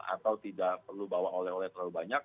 atau tidak perlu bawa oleh oleh terlalu banyak